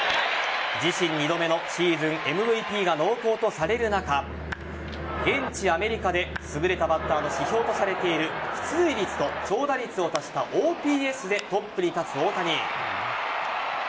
自身２度目のシーズンＭＶＰが濃厚とされる中現地・アメリカで優れたバッターの指標とされている出塁率と長打率を足したＯＰＳでトップに立つ大谷。